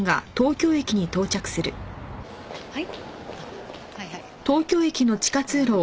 はい。